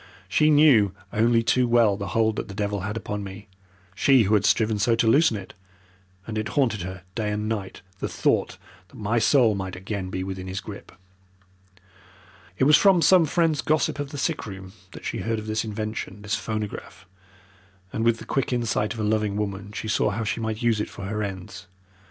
She knew only too well the hold that the devil had upon me she who had striven so to loosen it and it haunted her night and day the thought that my soul might again be within his grip. "It was from some friend's gossip of the sick room that she heard of this invention this phonograph and with the quick insight of a loving woman she saw how she might use it for her ends.